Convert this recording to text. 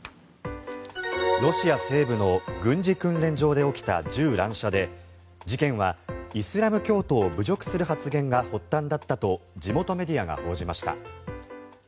ロシア西部の軍事訓練場で起きた銃乱射で事件はイスラム教徒を侮辱する発言が発端だったと地元メディアが報じました。